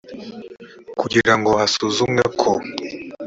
kugira ngo hasuzumwe ko